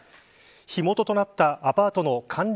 火元となったアパートの管理